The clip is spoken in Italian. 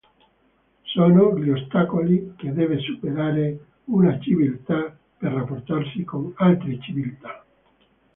Sono gli ostacoli che deve superare una civiltà per rapportarsi con altre civiltà".